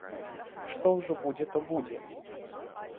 Што ўжо будзе, то будзе!